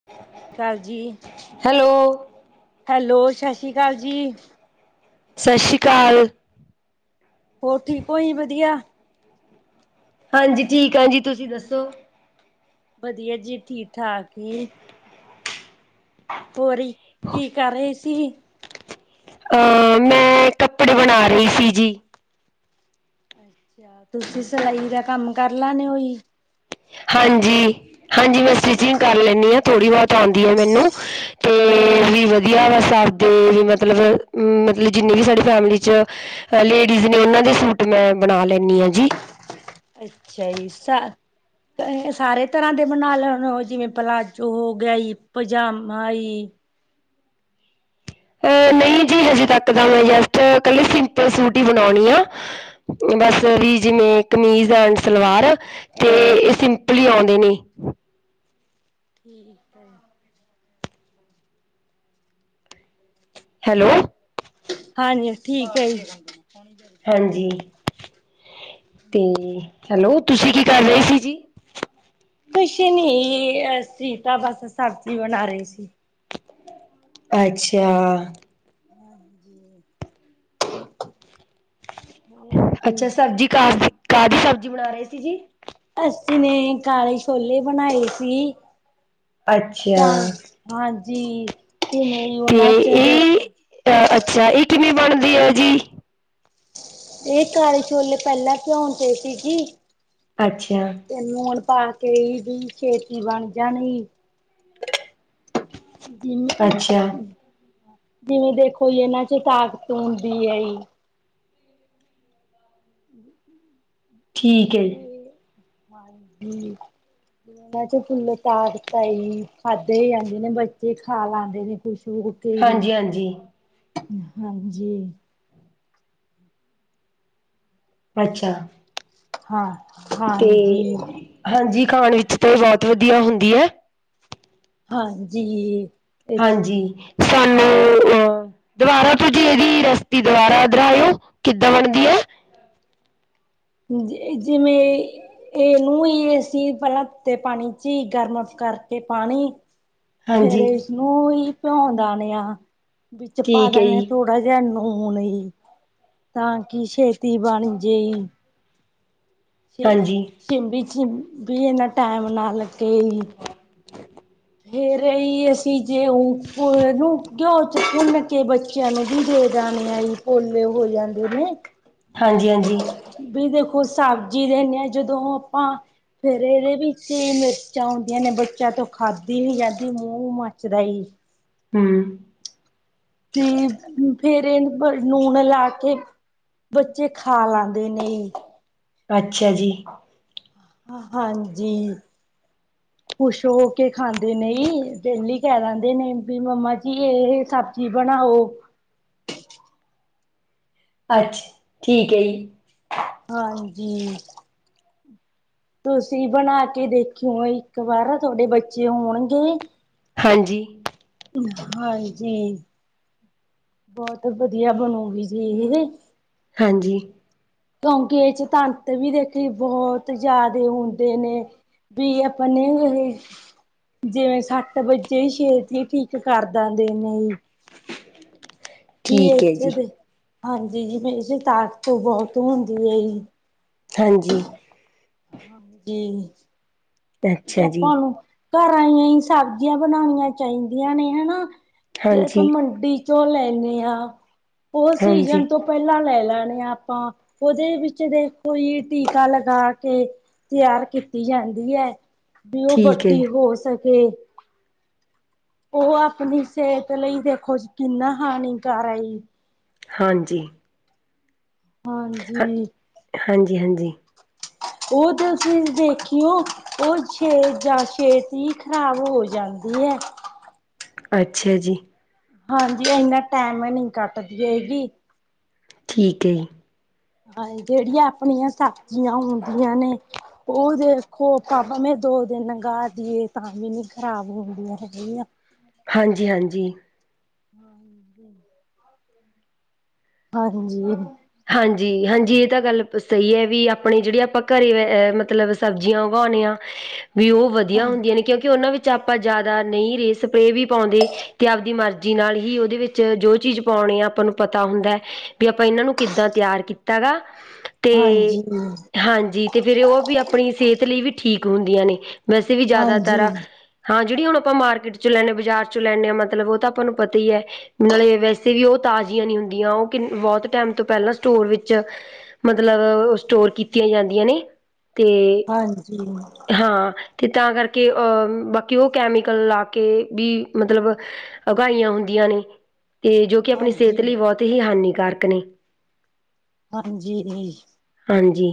[inaudible] ਕਰ ਜੀ। Hello! Hello, ਸ਼ਸ਼੍ਰੀ ਕਾਲ ਜੀ। ਸਸ਼੍ਰੀ ਕਾਲ। ਹੋਰ ਠੀਕ ਓ ਜੀ? ਵਧੀਆ। ਹਾਂਜੀ, ਠੀਕ ਆਂ ਜੀ। ਤੁਸੀਂ ਦੱਸੋ? ਵਦੀਆ ਜੀ, ਠੀਕ -ਠਾਕ ਈ। ਹੋਰੀ ਕੀ ਕਰ ਰਹੇ ਸੀ? ਅਹ, ਮੈਂ ਕੱਪੜੇ ਬਨਾ ਰਹੀ ਸੀ ਜੀ। ਅੱਛਾ, ਤੁਸੀਂ ਸਲਾਈ ਦਾ ਕੰਮ ਕਰ ਲੈਨੇ ਓ ਜੀ? ਹਾਂਜੀ-ਹਾਂਜੀ, ਮੈਂ ਸਟਿਚਿੰਗ ਕਰ ਲੈਂਨੀ ਆਂ। ਥੋੜ੍ਹੀ- ਬੋਤ ਆਂਦੀ ਆ ਮੈਨੂੰ, 'ਤੇ ਵੀ ਵਦੀਆ ਬਸ ਆਪਦੇ ਵੀ ਮਤਲਬ। ਮਤਲਬ, ਜਿੰਨੇ ਵੀ ਸਾਡੀ ਫੈਮਿਲੀ 'ਚ ਲੇਡੀਜ਼ ਨੇ, ਉਨਾਂ ਦੇ ਸੂਟ ਮੈਂ ਬਨਾ ਲੈਂਨੀ ਆ ਜੀ। ਅੱਛਾ ਜੀ। ਸਾ ਸਾਰੇ ਤਰ੍ਹਾਂ ਦੇ ਬਨਾ ਲੈਨੇ ਓ, ਜਿਵੇਂ ਪਲਾਜੋ ਹੋ ਗਿਆ ਈ, ਪਜਾਮਾ ਈ। ਐ ਨਈ ਜੀ, ਹਜੇ ਤੱਕ ਤਾਂ ਮੈਂ ਜਸਟ ਕੱਲੇ ਸਿੰਪਲ ਸੂਟ ਈ ਬਨਾਉਨੀ ਆ। ਮੈ ਸਵੀਜ ਨੇ ਕਮੀਜ਼। ਪੈਂਟ- ਸਲਵਾਰ 'ਤੇ ਇਹ ਸਿੰਪਲ ਈ ਔਂਦੇ ਨੇ। ਠੀਕ ਆ। ਹੈਲੋ! ਹਾਂਜੀ, ਠੀਕ ਐ ਜੀ। ਹਾਂਜੀ, 'ਤੇ ਹੈਲੋ! ਤੁਸੀਂ ਕੀ ਕਰ ਰਹੇ ਸੀ ਜੀ? ਕੁਸ਼ ਨੀ, ਅਸੀਂ ਤਾਂ ਬਸ ਸਬਜ਼ੀ ਬਨਾ ਰਹੇ ਸੀ। ਅੱਛਾ। ਹਾਂਜੀ। ਹੋਰ ਅੱਛਾ, ਸਬਜ਼ੀ ਕਾਸ ਦੀ ਕਾਹਦੀ ਸਬਜ਼ੀ ਬਨਾ ਰਹੇ ਸੀ ਜੀ? ਅਸੀਂ ਨੇ ਕਾਲੇ ਛੋਲੇ ਬਨਾਏ ਸੀ। ਅੱਛਾ। ਤਾਂ ਹਾਂਜੀ, ਕਿਵੇਂ ਤੇ ਉਨਾਂ 'ਚ ਇਹ ਦੇਖੋ? ਅ ਅੱਛਾ, ਏਅ ਕਿਵੇਂ ਬਨਦੀ ਆ ਜੀ? ਏਅ ਕਾਲੇ ਛੋਲੇ ਪੈਲਾਂ ਭਿਉਂ ਤੇ ਸੀ ਜੀ। ਅੱਛਾ। 'ਤੇ ਨੂਣ ਪਾ ਕੇ ਵੀ ਦਈਂ ਛੇਤੀ ਬਨ ਜਾਨੀ। ਜਿਵੇ, ਅੱਛਾ ਜਿਵੇਂ ਦੇਖੋ ਜੀ ਇਨਾਂ 'ਚ ਤਾਕਤ ਹੁੰਦੀ ਐ ਜੀ। ਠੀਕ ਵੀ, ਹੈ ਜੀ ਹਾਂਜੀ। ਉਹਨਾਂ 'ਚ ਫੁੱਲ -ਤਾਕਤਾ ਈ, ਖਾਦੇੇ ਈ ਜਾਂਦੇ ਨੇ ਬੱਚੇ, ਖਾ ਲਾਂਦੇ ਨੇ ਖੁਸ਼ ਹੋ। 'ਤੇ ਜੀ, ਹਾਂਜੀ-ਹਾਂਜੀ ਹਾਂਜੀ। ਅੱਛਾ। ਹਾਂ। ਤੇ ਹਾਂਜੀ ਹਾਂਜੀ ਖਾਣ ਵਿੱਚ ਤੇ ਬੋਤ ਵਧੀਆ ਹੁੰਦੀ ਐ। ਹਾਂਜੀ। ਹਾਂਜੀ। ਸਾਨੂੰ ਓਹ ਦੁਬਾਰਾ ਤੋਂ ਜੀ ਏਦੀ ਰੈਸਿਪੀ ਦੁਬਾਰਾ ਦੋਰਾਇਓ ਕਿੱਦਾਂ ਬਣਦੀ ਐ। ਜ ਜਿਵੇਂ ਤੇ ਏਨੂੰ ਈ ਅਸੀਂ ਪੈਲਾਂ ਤੇ ਪਾਣੀ ਚੀ ਈ ਗਰਮ ਕਰਕੇ ਪਾਣੀ। ਫੇਰ ਹਾਂਜੀ ਇਸਨੂੰ ਈ ਭਿਉਂ ਦਾਣੇ ਆ, ਵਿੱਚ ਪਾ ਠੀਕ ਹੈ ਦੇਣੇ ਥੋੜ ਜੀ ਥੋੜਾ ਜਿਆ ਣੂਣ ਈ ਤਾਂ ਕੀ ਛੇਤੀ ਬਣ ਜੇਈ ਸਿ ਹਾਂਜੀ ਸਿੰਬੀ ਸਿੰਭ ਬੀ ਇਨਾ ਟੈਮ ਨਾਂ ਲੱਗੇ। ਫਿਰ ਅਈ ਅਸੀਂ ਜ਼ੇਔਂ ਪ ਏਨੂੰ ਘਿਉ ਚ ਭੁੰਨ ਕੇ ਬਚੇ ਬੱਚਿਆਂ ਨੂੰ ਵੀ ਦੇਦਾਨ ਆਈ ਪੋਲੇ ਹੋ ਜਾਂਦੇ ਨੇ ਹਾਂਜੀ ਹਾਂਜੀ। ਵੀ ਦੇਖੋ, ਸਬਜ਼ੀ ਦੇਣੇ ਆਂ ਜਦੋਂ ਆਪਾਂ ਫੇਰ ਏਦੇ ਵਿੱਚ ਈ ਮਿਰਚਾਂ ਹੁੰਦੀਆਂ ਨੇਂ, ਬੱਚਿਆਂ ਤੋਂ ਖਾਦੀ ਨੀਂ ਜਾਂਦੀ। ਮੂੰਹ ਮੱਚਦਾ ਈ ਹਂ। ਹਂ, ਫੇਰ ਏਨ ਪ ਨੂਣ ਲਾ ਕੇ ਬੱਚੇ ਖਾ ਲਾਂਦੇ ਨੇ ਅੱਛਾ ਜੀ। ਹਾਂ, ਹਾਂਜੀ। [inaudible] ਖ਼ੁਸ਼ ਹੋਕੇ ਖਾਂਦੇ ਨਈਂ, ਡੇਲੀ ਕੈਅ ਦੈਂਦੇ ਨੇ ਵੀ ਮੰਮਾ ਜੀ, ਇਹ ਸਬਜ਼ੀ ਬਣਾਓ। ਅੱਛ, ਠੀਕ ਐ ਜੀ। ਹਾਂਜੀ। ਤੁਸੀਂ ਬਣਾ ਕੇ ਦੇਖਿਓ ਇੱਕ ਵਾਰ। ਤੁਆਡੇ ਬੱਚੇ ਹੋਣਗੇ ਹਾਂਜੀ। ਹਾਂਜੀ। ਬੋਤ ਵਧੀਆ ਬਣੂਗੀ ਜੀ ਇਹ ਹਾਂਜੀ। ਕਿਉਂਕਿ ਇਦੇ ਚ ਤੰਤ ਵੀ ਦੇਖੀ ਬੋਹਤ ਜਿਆਦੇ ਹੁੰਦੇ ਨੇਂ। ਵੀ ਆਪਾਂ ਨਈਂ ਮਿਲੇ ਜਿਵੇਂ ਸੱਟ ਵੱਜੇਈ ਛੇਤੀ ਠੀਕ ਕਰ ਦੰਦੇ ਨੇਂ ਈ। ਵੀ ਇਦ ਠੀਕ ਹੈ ਚ ਜੀ ਦੇ ਹਾਂਜੀ ਜੀ ਵੀ ਇਦੇ ਚ ਤਾਕਤ ਬਹੁਤ ਹੁੰਦੀ ਏ ਜੀ। ਹਾਂਜੀ। ਕੀ। ਤੇ ਅੱਛਾ ਜੀ ਆਪਾਂ ਨੂੰ, ਘਰਾਂ ਆਈਆਂ ਈ ਸਬਜ਼ੀਆਂ ਬਣਾਣੀਆਂ ਚਾਈਦੀਆਂ ਨੇ ਹਨਾਂ। ਜ਼ੇ ਆਪਾਂ ਹਾਂਜੀ ਮੰਡੀ ਚੋਂ ਲੈਂਣੇ ਆਂ, ਓ ਹਾਂਜੀ ਸੀਜਨ ਤੋਂ ਪੈਲਾਂ ਲੈ ਲੈਣੇ ਆ ਆਪਾਂ, ਓਦੇ ਵਿੱਚ ਦੇਖੋ ਜੀ ਟੀਕਾ ਲਗਾ ਕੇ ਤਿਆਰ ਕੀਤੀ ਜਾਂਦੀ ਐ, ਵੀ ਓ ਠੀਕ ਹੈ ਜੀ ਵੱਡੀ ਹੋ ਸਕੇ। ਓ ਆਪਣੀ ਸਿਹਤ ਲਈ ਦੇਖੋ ਜੀ, ਕਿੰਨਾ ਹਾਨੀਕਾਰ ਆਈ। ਹਾਂਜੀ। ਹਾਂਜੀ। ਹ ਹਾਂਜੀ ਹਾਂਜੀ। ਓ ਤੁਸੀਂ ਦੇਖਿਓ। ਓ ਛੇ ਜਾ ਛੇਤੀ ਈ ਖ਼ਰਾਬ ਹੋ ਜਾਂਦੀ ਐ। ਅੱਛਾ ਜੀ। ਹਾਂਜੀ ਇੰਨਾ ਟੈਮ ਨੀ ਕੱਟਦੀ ਹੈਏਗੀ। ਠੀਕ ਐ ਜੀ। ਹਾਂ ਜੇੜੀਆਂ ਆਪਣੀਆਂ ਸਬਜ਼ੀਆਂ ਹੁੰਦੀਆਂ ਨੇ ਓ ਦੇਖੋ ਪਾਪਾ ਮੇ ਦੋ ਦਿਨ ਲੰਗਾ ਦੀਏ ਤਾਂ ਵੀ ਨੀ ਖਰਾਬ ਹੁੰਦੀਆਂ ਹੈਗੀਆ। ਹਾਂਜੀ-ਹਾਂਜੀ। ਹਾਂ। ਆਹੋ ਜੀ! ਹਾਂਜੀ-ਹਾਂਜੀ ਏ ਤਾਂ ਗੱਲ ਸਈ ਐ ਵੀ ਆਪਣੇ ਜੇੜੇ ਆਪਾਂ ਘਰੇ ਅ ਮਤਲਬ ਸਬਜ਼ੀਆਂ ਉਗਾਉਣੇ ਆ ਵੀ ਓ ਵਦੀਆ ਹਾਂਜੀ, ਹੁੰਦੀਆਂ ਨੇ ਕਿਉਂਕਿ ਓਨਾਂ ਵਿੱਚ ਆਪਾਂ ਜੈਦਾ ਨਈ ਰੇਅ ਸਪਰੇਅ ਵੀ ਪਾਉਂਦੇ। ਤੇ ਆਪਦੀ ਮਰਜ਼ੀ ਨਾਲ ਹੀ ਓਦੇ ਵਿੱਚ ਜੋ ਚੀਜ਼ ਪਾਉਣੀ ਆ ਆਪਾਂ ਨੂੰ ਪਤਾ ਹੁੰਦਾ ਐ ਵੀ ਆਪਾਂ ਇਨਾਂ ਨੂੰ ਕਿੱਦਾਂ ਤਿਆਰ ਕੀਤਾ ਗਾ ਤੇ ਹਾਂਜੀ। ਹਾਂਜੀ, ਹਾਂਜੀ ਤੇ ਫੇਰ ਓ ਵੀ ਆਪਣੀ ਸ੍ਹੇਤ ਲਈ ਵੀ ਠੀਕ ਹੁੰਦੀਆਂ ਨੇ ਵੈਸੇ ਵੀ ਜੈਦਾਤਰ ਹਾਂ ਜੇੜੀ ਹੁਣ ਆਪਾਂ ਮਾਰਕੀਟ ਚ ਲੈਨੇ ਆ ਬਾਜ਼ਾਰ ਚ ਲੈਨੇ ਆ ਮਤਲਬ ਓ ਤਾਂ ਆਪਾਂ ਨੂੰ ਪਤਾ ਈ ਐ। ਨਾਲੇ ਵੈਸੇ ਵੀ ਓ ਤਾਜੀਆਂ ਨੀ ਹੁੰਦੀਆਂ ਓ ਕਿਨ ਬੋਤ ਟੈਮ ਤੋਂ ਪੈਲਾਂ ਸਟੋਰ ਵਿੱਚ ਮਤਲਬ ਸਟੋਰ ਕੀਤੀਆਂ ਜਾਂਦੀਆਂ ਨੇ ਤੇ ਹਾਂਜੀ, ਹਾਂ ਤੇ ਤਾਂ ਕਰਕੇ ਬਾਕੀ ਓ ਕੈਮੀਕਲ ਲਾ ਕੇ ਵੀ ਮਤਲਬ ਉਗਾਈਆਂ ਹੁੰਦੀਆਂ ਨੇ ਤੇ ਜੋ ਕਿ ਆਪਣੀ ਸ੍ਹੇਤ ਹਾਂਜੀ। ਲਈ ਬੋਤ ਈ ਹਾਨੀਕਾਰਕ ਨੇ ਹਾਂਜੀ ਦੀ। ਹਾਂਜੀ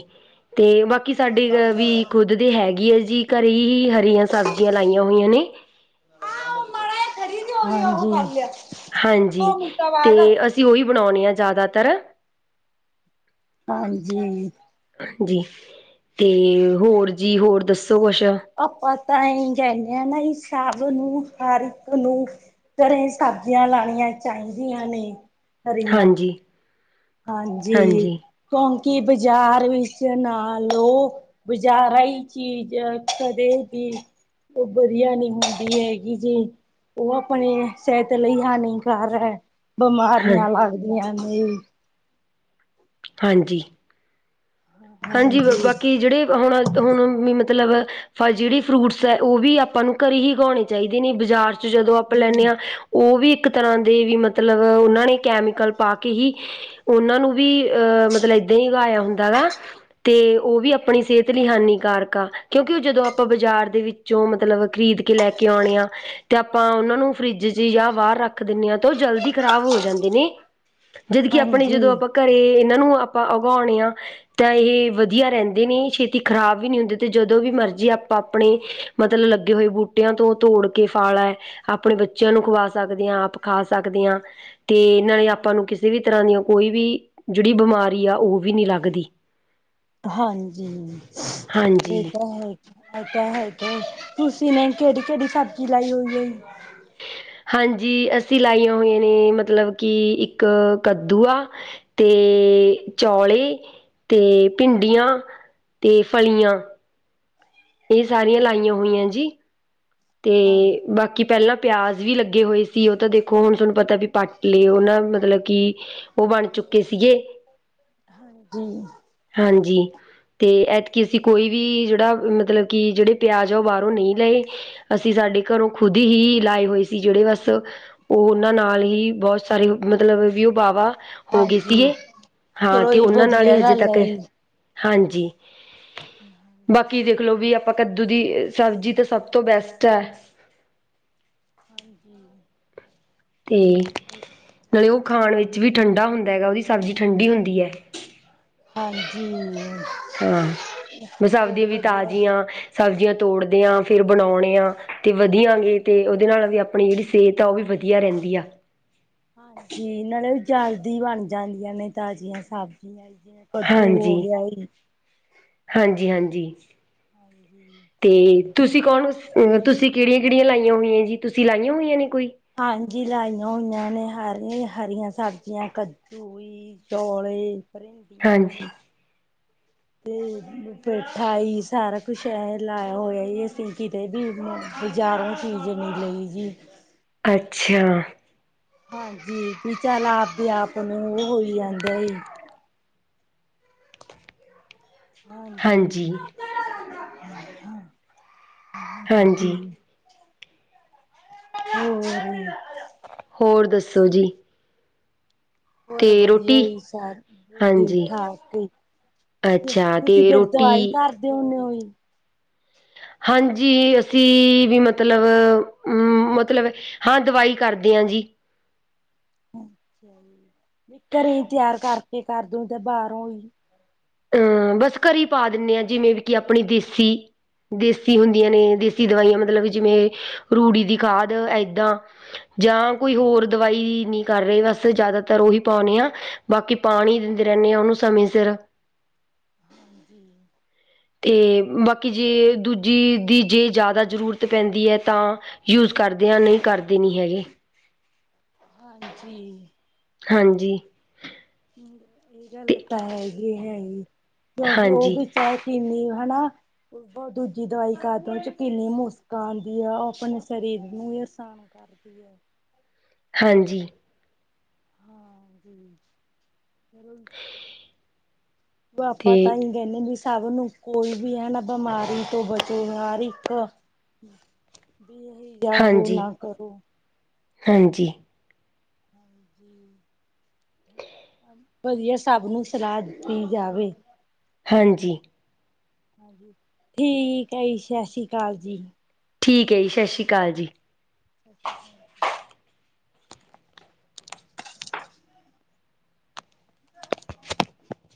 ਤੇ ਬਾਕੀ ਸਾਡੇ ਵੀ ਖੁਦ ਦੇ ਹੈਗੀ ਐ ਜੀ ਘਰੇ ਹੀ ਹਰੀਆਂ ਸਬਜ਼ੀਆਂ ਲਾਈਆਂ ਹੋਈਆਂ ਨੇ। [unintelligible] ਹਾਂਜੀ ਦੋ ਮਿੰਟਾਂ ਤੇ ਬਾਅਦ ਅਸੀਂ ਓਹੀ ਬਨਾਉਂਨੇ ਆ ਜੈਦਾਤਰ ਹਾਂਜੀ। ਜੀ ਤੇ ਹੋਰ ਜੀ ਹੋਰ ਦੱਸੋ ਕੁਛ? ਆਪਾ ਤਾਂ ਆਏ ਈ ਕੈਂਦੇ ਆ ਨਾ ਈ ਸਬ ਨੂੰ ਹਰ ਇੱਕ ਨੂੰ ਘਰੇ ਸਬਜ਼ੀਆਂ ਲਾਣੀਆਂ ਚਾਈਦੀਆਂ ਨੇ ਹਰੀਆਂ ਹਾਂਜੀ ਹਾਂਜੀ ਕੋਂਕਿ ਬਾਜ਼ਾਰ ਵਿੱਚ ਨਾਲ ਓ ਬੁਜਾਰਾ ਈ ਚੀਜ਼ ਕਦੇ ਵੀ ਓ ਵਦੀਆ ਨੀ ਹੁੰਦੀ ਹੈਗੀ ਜੀ। ਓ ਆਪਣੇ ਸਿਹਤ ਲਈ ਹਾਨੀਕਾਰ ਹੈ ਹਾਂ ਬਿਮਾਰੀਆਂ ਲੱਗਦੀਆਂ ਨੇ ਹਾਂਜੀ। ਹਾਂਜੀ ਬਾਕੀ ਜੇੜੇ ਹੁਣ ਹੁਣ ਵੀ ਮਤਲਬ ਜੇੜੀ ਫਰੂਟਸ ਐ ਓ ਵੀ ਆਪਾਂ ਨੂੰ ਘਰੇ ਈ ਉੱਗਾਉਣੇ ਚਾਈਦੇ ਨੇ ਬਾਜ਼ਾਰ ਚ ਜਦੋਂ ਆਪਾਂ ਲੈਨੇ ਹਾਂਜੀ ਆ ਓ ਵੀ ਇੱਕ ਤਰ੍ਹਾਂ ਦੇ ਵੀ ਮਤਲਬ ਓਨਾਂ ਨੇ ਕੈਮੀਕਲ ਪਾ ਕੇ ਹੀ ਓਨਾਂ ਨੂੰ ਵੀ ਅ ਮਤਲਬ ਏਦਾਂਹੀ ਉਗਾਇਆ ਹੁੰਦਾ ਵਾ ਤੇ ਓ ਵੀ ਆਪਨੀ ਸ੍ਹੇਤ ਲਈ ਹਾਨੀਕਾਰਕ ਆ ਕਿਉਂਕਿ ਓ ਜਦੋਂ ਆਪਾਂ ਬਾਜ਼ਾਰ ਦੇ ਵਿੱਚੋਂ ਮਤਲਬ ਖਰੀਦ ਕੇ ਲੈ ਕੇ ਆਉਣੇ ਆ ਤੇ ਆਪਾਂ ਓਨਾਂ ਨੂੰ ਫਰਿੱਜ ਚ ਜਾਂ ਬਾਰ ਰੱ ਖ ਦਿਨੇ ਆ ਤਾਂ ਓ ਜਲਦੀ ਖ਼ਰਾਬ ਹੋ ਜਾਂਦੇ ਨੇ ਜਦ ਕਿ ਆਪਣੇ ਹਾਂਜੀ ਜਦੋਂ ਆਪਾਂ ਘਰੇ ਏਨਾਂ ਨੂੰ ਆਪਾਂ ਉਗਾਉਣੇ ਆ ਤਾਂ ਏ ਵਦੀਆ ਰੈਂਦੇ ਨੇ ਛੇਤੀ ਖ਼ਰਾਬ ਵੀ ਨੀ ਹੁੰਦੀ ਤੇ ਜਦੋਂ ਵੀ ਮਰਜੀ ਆਪਾਂ ਆਪਨੇ ਮਤਲਬ ਲੱਗੇ ਹੋਏ ਬੂਟਿਆਂ ਤੋਂ ਤੋੜ ਕੇ ਫਾਲਾ ਐ ਆਪਨੇ ਬੱਚਿਆਂ ਨੂੰ ਖਵਾ ਸਕਦੇ ਆ ਆਪ ਖਾ ਸਕਦੇ ਆ ਤੇ ਨਾਲੇ ਆਪਾਂ ਨੂੰ ਕਿਸੇ ਵੀ ਤਰ੍ਹਾਂ ਦੀਆਂ ਕੋਈ ਵੀ, ਜਿਹੜੀ ਬਿਮਾਰੀ ਆ ਉਹ ਵੀ ਨੀ ਲੱਗਦੀ ਹਾਂਜੀ ਏ ਹਾਂਜੀ ਤਾਂ ਹੈ। ਉਹ ਤਾਂ ਹੈ, ਤੁਸੀ ਨੇ ਕਿਹੜੀ- ਕਿਹੜੀ ਸਬਜ਼ੀ ਲਾਈ ਹੋਈ ਐ। ਹਾਂਜੀ ਅਸੀਂ ਲਾਈਆਂ ਹੋਈਆਂ ਨੇ ਮਤਲਬ ਕਿ ਇੱਕ ਕੱਦੂ ਆ। ਤੇ ਚੌਲੇ ਤੇ ਭਿੰਡੀਆਂ ਤੇ ਫਲੀਆਂ। ਇਹ ਸਾਰੀਆਂ ਠੀਕ ਲਾਈਆਂ ਹੋਈਆਂ ਜੀ, ਤੇ ਹਾਂਜੀ ਬਾ ਬਾਕੀ ਪਹਿਲਾਂ ਪਿਆਜ ਵੀ ਲੱਗੇ ਹੋਏ ਸੀ ਉਹ ਤਾਂ ਦੇਖੋਂ ਹੁਣ ਤੁਹਾਨੂੰ ਪਤਾ ਪੱਟ ਹੀ ਲਏ, ਉਹ ਨਾ ਮਤਲਬ ਕਿ ਉਹ ਬਣ ਚੁੱਕੇ ਸੀਗੇ। ਹਾਂਜੀ। ਹਾਂਜੀ। ਤੇ ਐਤਕੀ ਅਸੀਂ ਕੋਈ ਵੀ ਜਿਹੜਾ ਮਤਲਬ ਕਿ ਜਿਹੜੇ ਪਿਆਜ ਆ ਉਹ ਬਾਹਰੋਂ ਨਹੀਂ ਲਏ। ਅਸੀਂ ਸਾਡੇ ਘਰੋਂ ਖੁਦ ਹੀ ਲਾਏ ਹੋਏ ਸੀ ਜਿਹੜੇ ਬਸ ਓ ਉਹਨਾਂ ਨਾਲ ਹੀ ਬਹੁਤ ਸਾਰੇ, ਮਤਲਬ ਵੀ ਉਹ ਬਾਹਵਾ ਹੋਗੇ ਹਾਂਜੀ ਸੀਗੇ ਹਾ, ਚਲੋ ਤੇ ਜੀ ਉਹਨਾ ਨਾਲ ਹੀ ਵਧੀਆ ਹਜੇ ਗੱਲ ਤੱਕ ਹੈ ਜੀ ਹਾਂਜੀ, ਬਾਕੀ ਦੇਖਲੋ ਵੀ ਆਪ ਓ ਕੱਦੂ ਦੀ ਸਬਜ਼ੀ ਤਾਂ ਸਭ ਤੋਂ ਬੈਸਟ ਐ। ਹਾਂਜੀ। ਤੇ ਨਾਲੇ ਉਹ ਖਾਣ ਵਿੱਚ ਵੀ ਠੰਢਾ ਹੁੰਦਾ ਹੈਗਾ, ਉਹਦੀ ਸਬਜ਼ੀ ਠੰਡੀ ਹੁੰਦੀ ਆ। ਹਾਂਜੀ। ਹਾਂ ਤੇ ਸਬਜ਼ੀਆਂ ਬਹੁਤ ਵੀ ਵਧੀਆ ਤਾਜ਼ੀਆ, ਸਬਜ਼ੀਆਂ ਤੋੜਦੇ ਆ ਫਿਰ ਬਣਾਉਣੇ ਆ। ਤੇ ਵਧੀਆਂ ਐਗੇ ਤੇ ਉਹਦੇ ਨਾਲ ਵੀ ਆਪਣੀ ਜਿਹੜੀ ਸਿਹਤ ਆ ਉਹ ਵੀ ਵਧੀਆ ਰਹਿੰਦੀ ਆ। ਹਾਂਜੀ, ਨਾਲੇ ਓ ਜਲਦੀ ਬਣ ਜਾਂਦੀਆਂ ਨੇ ਤਾਜ਼ੀਆਂ ਸਬਜ਼ੀਆਂ ਕੱਦੂ ਹਾਂਜੀ, ਹੋ ਗਿਆ ਜੀ ਹਾਂਜੀ- ਹਾਂਜੀ। ਹਾਂਜੀ। ਅਤੇ ਤੁਸੀਂ ਕੌਣ ਓ ਤੁਸੀਂ ਕਿਹੜੀਆਂ- ਕਿਹੜੀਆਂ ਲਾਈਆਂ ਹੋਈਆਂ ਜੀ, ਤੁਸੀਂ ਲਾਈਆਂ ਹੋਈਆਂ ਨੇ ਕੋਈ ਹਾਂਜੀ ਲਾਈਆਂ ਹੋਈਆਂ ਨੇ ਹਰੀ ਹਰੀਆਂ ਸਬਜ਼ੀਆਂ ਕੱਦੂ ਤੋਲੇ, ਪਰਿੰਡੀਆਂ ਜੀ ਹਾਂਜੀ ਤੇ ਪੇਠਾ ਜੀ ਸਾਰਾ ਕੁੱਛ ਏ ਲਾਇਆ ਹੋਇਆ ਜੀ, ਅਸੀਂ ਕਿਤੇ ਵੀ ਬਜਾਰੋਂ ਚੀਜ਼ ਨਈ ਲਈ ਜੀ। ਅੱਛਾ। ਹਾਂਜੀ ਵੀ ਚੱਲ ਆਪਦੇ ਆਪ ਨੂੰ ਉਹ ਹੋਈ ਜਾਂਦੇ ਆ ਜੀ ਹਾਂਜੀ। ਹਾਂਜੀ [unintelligible] ਹੋਰ ਈ। ਹੋਰ ਦੱਸੋ ਜੀ। ਹੋਰ ਅਤੇ ਵਧੀਆ ਰੋਟੀ ਜੀ, ਸਾਰੇ ਠੀਕ ਹਾਂਜੀ ਠਾਕ ਜੀ। ਅੱਛਾ ਤੁਸੀਂ ਅਤੇ ਫਿਰ ਦਵਾਈ ਰੋਟੀ ਕਰਦੇਂ ਹੁਨੇ ਓ ਜੀ। ਹਾਂਜੀ ਅਸੀਂ ਵੀ ਮਤਲਬ ਅ ਮਤਲਬ ਹਾਂ ਦਵਾਈ ਕਰਦੇ ਆ ਜੀ। ਅੱਛਾ ਜੀ, ਨਈ ਘਰੇ ਤਿਆਰ ਕਰਕੇ ਕਰਦੇ ਕੇ ਬਾਹਰੋਂ ਈ ਅਹ ਬੱਸ ਘਰੇ ਪਾ ਦਿੰਨੇ ਆ, ਜਿਵੇਂ ਵੀ ਕਿ ਆਪਣੀ ਦੇਸੀ ਦੇਸੀ ਹੁੰਦੀਆਂ ਨੇ ਦੇਸੀ ਦਵਾਈਆਂ ਮਤਲਬ ਜਿਵੇਂ ਰੂੜੀ ਦੀ ਖਾਦ ਏਦਾਂ ਜਾਂ ਕੋਈ ਹੋਰ ਦਵਾਈ ਨੀ ਕਰ ਰੇ, ਅਸੀਂ ਜ਼ਿਆਦਾਤਰ ਉਹੀ ਪਾਉਂਨੇ ਆਂ ਬਾਕੀ ਪਾਨੀ ਦਿੰਦੇ ਰਹਿੰਨੇ ਆ, ਓਨੂੰ ਸਮੇਂ ਸਿਰ ਹੁ। ਤੇ ਬਾਕੀ ਜੇ ਦੂਜੀ ਦੀ ਜੇ ਜੈਦਾ ਜ਼ਰੂਰਤ ਪੈਂਦੀ ਏ ਤਾਂ ਯੂਜ ਕਾਰਦੇ ਆ ਨਹੀਂ ਕਾਰਦੇ ਨੀ ਹੈਗੇ ਹਾਂਜੀ। ਹਾਂਜੀ। ਇਹ ਗੱਲ ਅਤੇ ਤਾਂ ਹੈਗੀ ਹੈਗੀ ਕਿਉਂਕਿ ਉਹ ਹਾਂਜੀ ਵੀ ਕਿੰਨੀ ਹਨਾ ਦੂਜੀ ਦਵਾਈ ਖਾਦਣ ਚ ਕਿੰਨੀ ਮੁਸ਼ਕ ਆਉਂਦੀ ਆ ਉਹ ਆਪਣੇ ਸਰੀਰ ਨੂੰ ਵੀ ਨੁਕਸਾਨ [unintelligible] [unintelligible] ਕਰਦੀ ਆ। ਹਾਂਜੀ। ਹਾਂਜੀ ਤੇ ਆਪਾ ਤਾਂਹੀ ਕਹਿੰਨੇ ਵੀ ਸਭ ਨੂੰ ਕੋਈ ਵੀ ਹੈ ਬਮਾਰੀ ਤੋਂ ਬਚੋ ਹਰ ਇੱਕ ਵੀ [unintelligible] ਹੋ ਹਾਂਜੀ, ਨਾ ਕਰੋ [unintelligible] ਹਾਂਜੀ। [unintelligible] [unintelligible] ਵਧੀਆ ਸਭ ਨੂੰ ਸਲਾਹ ਦਿੱਤੀ ਜਾਵੇ। ਹਾਂਜੀ। ਠੀਕ ਆ ਜੀ ਸਾ਼ਸ਼ੀ ਕਾਲ ਜੀ ਠੀਕ ਹੈ ਜੀ ਸ਼ਸ਼੍ਰੀ ਕਾਲ ਜੀ [inaudible]